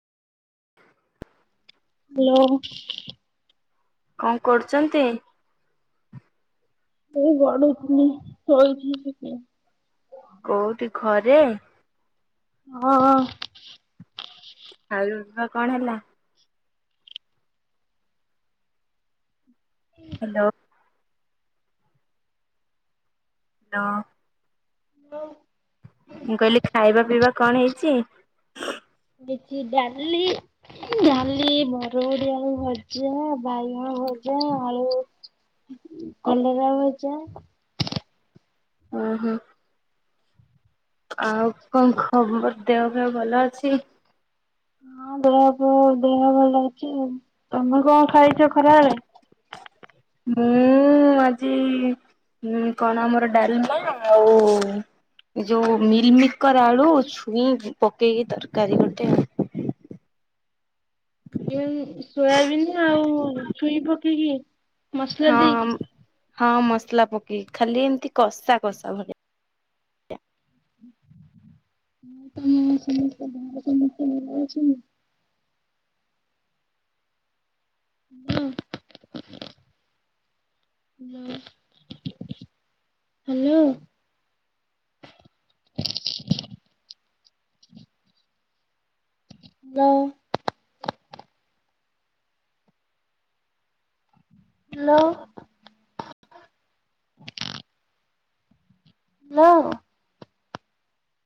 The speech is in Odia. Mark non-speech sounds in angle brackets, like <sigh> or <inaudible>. ହ୍ୟାଲୋ। କଣ କରୁଛନ୍ତି? ଏଇ ଗଡୁଥିଲି ଶୋଇଥିଲି ଟିକେ କୋଉଠି ଘରେ? ହଁ ଆଉ କଣ ହେଲା? ହ୍ୟାଲୋ। ହେଲୋ। ହେଲୋ। ମୁଁ କହିଲି ଖାଇବାପିଇବା କଣ ହେଇଛି? ହେଇଛି ଡାଲି ଡାଲି ବରଗୋଡି ଆଳୁ ଭଜା ବାଇଗଣ ଭ ଆଳୁ କଲରା ଭଜା। ଓ ହୋ। ଆଉ କଣ ଖବର ଦେହଫେହ ଭଲ ଅଛିକ ହଁ ଦେହଫେହ ଦେହ ଭଲ ଅଛି ତମେ କଣ ଖାଇ ଛ କରିବା ଖରାବେଳେ। ମୁଁ ଆଜି କଣ ଆମର ଡାଲମା ଆଉ ଯୋଉ ମିଲମେକର ଆଳୁ ଛୁଇଁ ପକେଇକି ତରକାରୀ ଗୋଟେ ଆଉ। ହ <inaudible> ଉଁ ସୋୟାବିିନ ଆଉ ଛୁଇଁ ପକେଇକି। ମସଲା ଦେଇକି ହଁ ହଁ ମସଲା ପକେଇିକି ଖାଲି ଏମିତି କଷା କଷା ଭଳିଆ। ତମ ସମସ୍ତେ ଘରେ ସମସ୍ତେ ଭଲ ଅଛନ୍ତି? ହଁ। ହେଲୋ ଆ ହାଲୋ। <inaudible> ହେଲୋ। Hello hello.